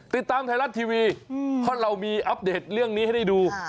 ติดตามไทยรัฐทีวีเพราะเรามีอัปเดตเรื่องนี้ให้ได้ดู